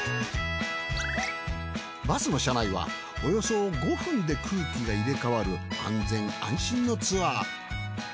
バスの車内はおよそ５分で空気が入れ替わる安全安心のツアー。